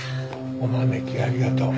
お招きありがとう。